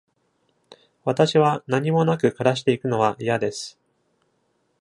私は何もなく暮らしていくのは嫌です。